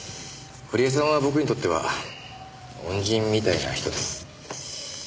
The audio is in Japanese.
堀江さんは僕にとっては恩人みたいな人です。